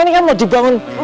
di marsya dato habts